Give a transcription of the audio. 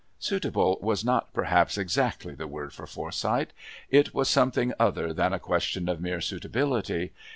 Suitable_ was not perhaps exactly the word for Forsyth. It was something other than a question of mere suitability.